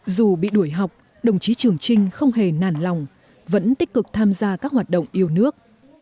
dù bị đuổi học đồng chí trường trinh không hề nản lòng vẫn tích cực tham gia các hoạt động yêu nước